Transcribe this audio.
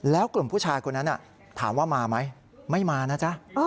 แล้วกลุ่มผู้ชายคนนั้นถามว่ามาไหมไม่มานะจ๊ะ